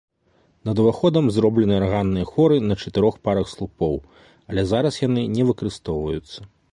Над уваходам зроблены арганныя хоры на чатырох парах слупоў, але зараз яны не выкарыстоўваюцца.